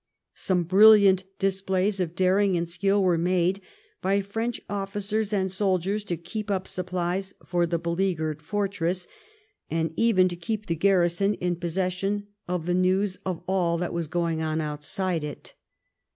Some brilliant displays of daring and skill were made by French officers and soldiers to keep up supplies for the beleaguered fortress, and even to keep the garrison in possession of the news of all that was going on outside it.